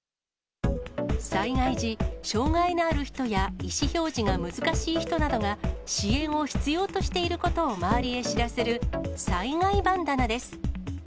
災害時、障がいのある人や意思表示が難しい人などが、支援を必要としていることを周りへ知らせる災害バンダナです。